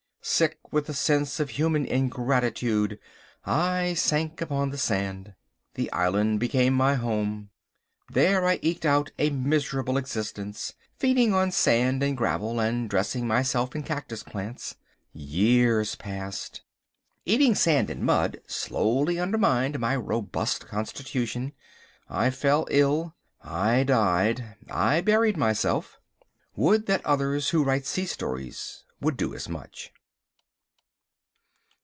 Sick with the sense of human ingratitude I sank upon the sand. The island became my home. There I eked out a miserable existence, feeding on sand and gravel and dressing myself in cactus plants. Years passed. Eating sand and mud slowly undermined my robust constitution. I fell ill. I died. I buried myself. Would that others who write sea stories would do as much.